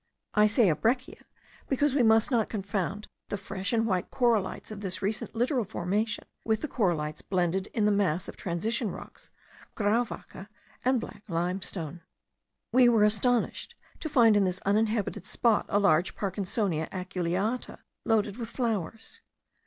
I say a breccia, because we must not confound the fresh and white corallites of this very recent littoral formation, with the corallites blended in the mass of transition rocks, grauwacke, and black limestone. We were astonished to find in this uninhabited spot a large Parkinsonia aculeata loaded with flowers.